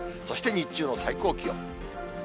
そして日中の最高気温。